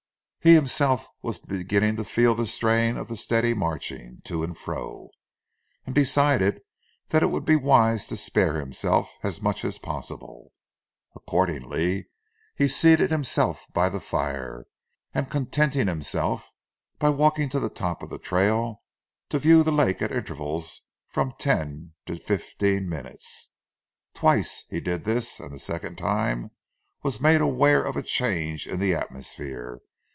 He himself was beginning to feel the strain of the steady marching to and fro, and decided that it would be wise to spare himself as much as possible. Accordingly he seated himself by the fire, contenting himself by walking to the top of the trail to view the lake at intervals of from twelve to fifteen minutes. Twice he did this and the second time was made aware of a change in the atmosphere.